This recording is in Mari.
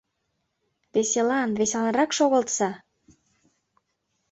— Веселан, веселанрак шогылтса.